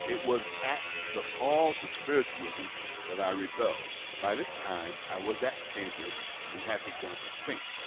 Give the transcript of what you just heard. It was at the call to spiritualism that I rebelled ; by this time I was at Cambridge, and had begun to think.